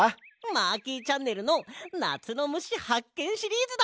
マーキーチャンネルの「なつのむしはっけんシリーズ」だ！